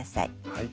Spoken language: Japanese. はい。